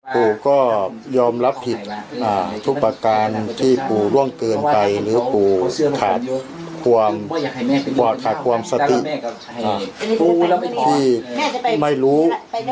ปู่ก็ยอมรับผิดทุกประการที่ปู่ร่วงเกินไปหรือปู่ขาดความบอดขาดความสติที่ไม่รู้